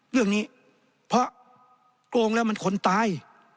เรื่องนี้เพราะโกงแล้วมันคนตาย